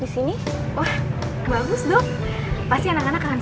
serius mau dilaksanakan